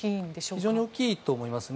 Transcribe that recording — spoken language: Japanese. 非常に大きいと思います。